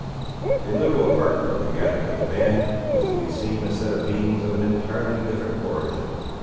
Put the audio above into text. A little apart from the gathering of the band, was to be seen a set of beings of an entirely different origin.